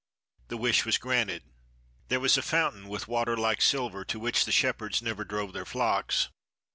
The wish was granted. "There was a fountain, with water like silver, to which the shepherds never drove their flocks.